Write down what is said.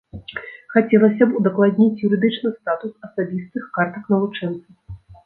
Хацелася б удакладніць юрыдычны статус асабістых картак навучэнца.